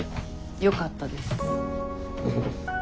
よかったです。